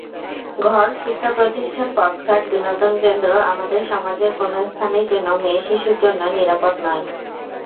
ঘর, শিক্ষাপ্রতিষ্ঠান, পথঘাট, বিনোদনকেন্দ্র—আমাদের সমাজের কোনো স্থানই যেন মেয়েশিশুর জন্য নিরাপদ নয়।